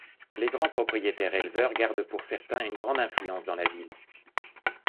Les grands propriétaires éleveurs gardent pour certains une grande influence dans la ville.